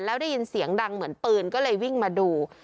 แล้วได้ยินเสียงดังเหมือนปืนก็เลยวิ่งมาดู